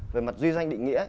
về mặt duy danh định nghĩa